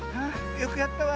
よくやったわ。